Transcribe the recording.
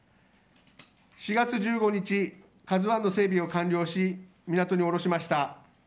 ４月１５日「ＫＡＺＵ１」の整備を完了し港に下ろしました。